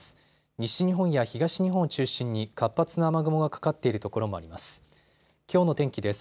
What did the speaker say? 西日本や東日本を中心に活発な雨雲がかかっている所もあります。